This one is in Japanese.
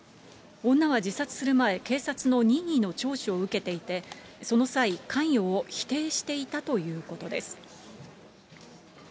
女は自殺する前、警察の任意の聴取を受けていて、その際、関与を否定していたということです。